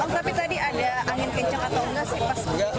tapi tadi ada angin kencang atau tidak